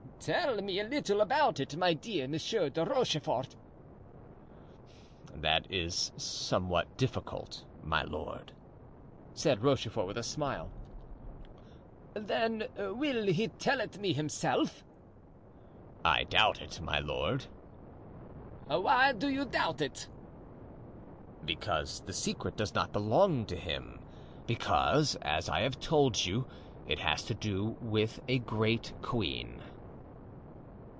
"Tell me a little about it, my dear Monsieur de Rochefort." "That is somewhat difficult, my lord," said Rochefort, with a smile. "Then he will tell it me himself." "I doubt it, my lord." "Why do you doubt it?" "Because the secret does not belong to him; because, as I have told you, it has to do with a great queen."